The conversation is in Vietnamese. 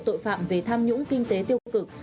tội phạm về tham nhũng kinh tế tiêu cực